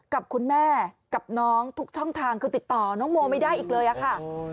กับคุณแม่กับน้องทุกช่องทางคือติดต่อน้องโมไม่ได้อีกเลยอะค่ะ